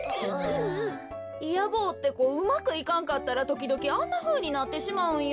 いや坊ってこうまくいかんかったらときどきあんなふうになってしまうんよ。